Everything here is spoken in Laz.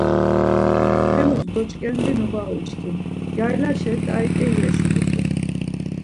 Hemus doç̌ǩendinu var uçkin, yaylaşe t̆ariǩeri eşulut̆u.